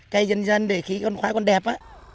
cây dân dân để khí con khoai con đẹp